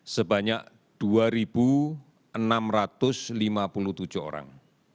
sebanyak dua enam ratus lima puluh tujuh orang